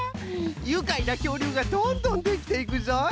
ゆかいなきょうりゅうがどんどんできていくぞい！